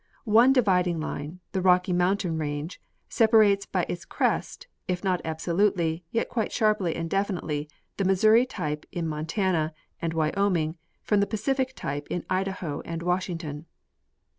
One dividing line, the Rocky moun tain range, separates by its crest, if not absolutely, yet quite sharply and definitely, the Missouri type in Montana and Wyoming from the Pacific type in Idaho and Washington.